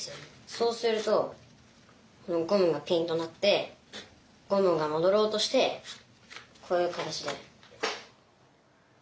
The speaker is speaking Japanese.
そうするとゴムがピンとなってゴムが戻ろうとしてこういう形で。